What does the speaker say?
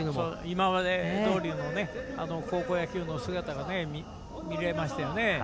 今までどおりの高校野球の姿、見られましたよね。